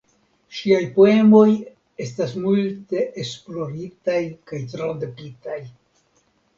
Ŝiaj poemoj estas multe esploritaj kaj tradukitaj.